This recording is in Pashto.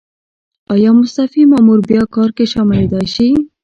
ایا مستعفي مامور بیا کار کې شاملیدای شي؟